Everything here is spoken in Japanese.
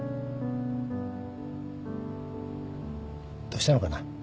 どうしたのかな？